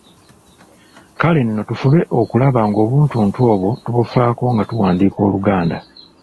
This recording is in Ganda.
Kale nno tufube okulaba ng’obuntuntu obwo tubufaako nga tuwandiika Oluganda.